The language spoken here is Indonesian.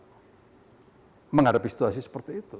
jangan sampai kita menghadapi situasi seperti itu